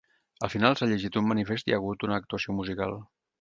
Al final, s’ha llegit un manifest i hi ha hagut una actuació musical.